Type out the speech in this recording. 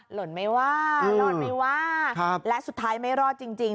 หล่นไหมว่าหล่นไหมว่าครับและสุดท้ายไม่รอดจริงจริง